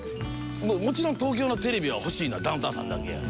もちろん東京のテレビが欲しいのはダウンタウンさんだけや。